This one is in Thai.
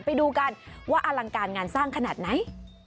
ไปดูกันว่าอลังการงานสร้างขนาดไหน